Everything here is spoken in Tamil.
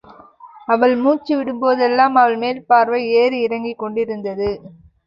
அவள் மூச்சு விடும்போதெல்லாம் அவள் மேல் போர்வை ஏறி இறங்கிக் கொண்டிருந்தது.